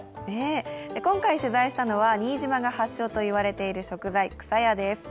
今回取材したのは新島が発祥とされている食材、くさやです。